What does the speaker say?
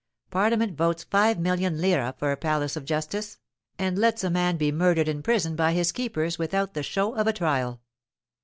Parliament votes five million lire for a palace of justice, and lets a man be murdered in prison by his keepers without the show of a trial.